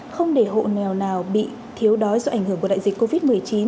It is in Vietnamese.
không để hộ nghèo nào bị thiếu đói do ảnh hưởng của đại dịch covid một mươi chín